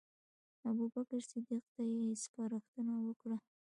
ابوبکر صدیق ته یې سپارښتنه وکړه.